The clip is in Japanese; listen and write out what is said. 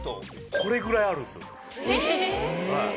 これぐらいあるんですよ。